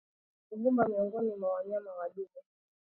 Ugumba miongoni mwa wanyama wa dume